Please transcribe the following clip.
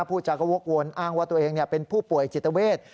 พูดจาก็วกวนอ้างว่าตัวเองเป็นผู้ป่วยจิตเวท